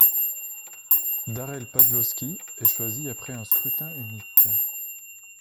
Darrell Pasloski est choisi après un scrutin unique.